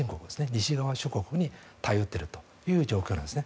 西側諸国に頼っているという状況なんです。